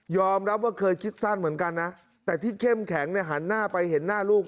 รับว่าเคยคิดสั้นเหมือนกันนะแต่ที่เข้มแข็งเนี่ยหันหน้าไปเห็นหน้าลูก